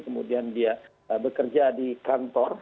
kemudian dia bekerja di kantor